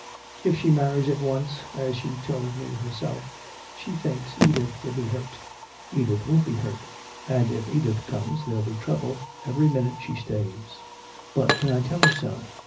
If she marries at once, as she told me herself, she thinks Edith will be hurt. Edith won't be hurt and if Deborah comes, there'll be trouble every minute she stays. But can I tell her so?